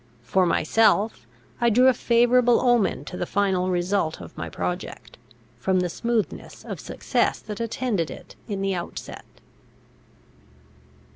For myself, I drew a favourable omen as to the final result of my project, from the smoothness of success that attended it in the outset.